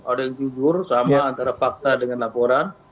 ada yang jujur sama antara fakta dengan laporan